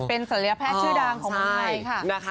เป็นศัลยแพทย์ชื่อดังของเมืองไทยค่ะ